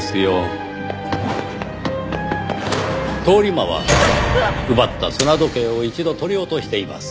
通り魔は奪った砂時計を一度取り落としています。